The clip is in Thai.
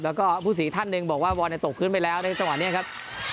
แล้วก็พูดสินท่านเนี่ยบอกว่าวิราวันเนี่ยตกขึ้นไปแล้วในจังหวะเนี่ยครับ